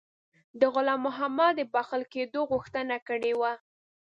د غلام محمد د بخښل کېدلو غوښتنه کړې وه.